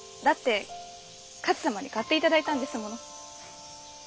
だって勝様に買っていただいたんですもの。